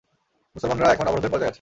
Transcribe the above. মুসলমানরা এখন অবরোধের পর্যায়ে আছে।